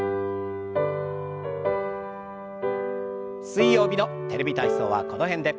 水曜日の「テレビ体操」はこの辺で。